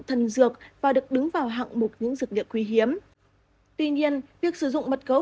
thần dược và được đứng vào hạng mục những dược liệu quý hiếm tuy nhiên việc sử dụng mật gấu